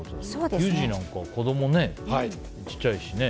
ユージなんかは子供、小さいしね。